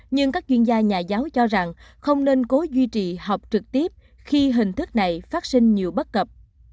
nhưng các chuyên gia nhà giáo cho rằng không nên cố duy trì học trực tiếp khi hình thức này phát sinh nhiều bất cập